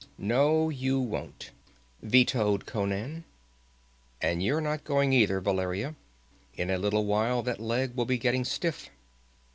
"No, you won't," vetoed Conan. "And you're not going either, Valeria. In a little while that leg will be getting stiff."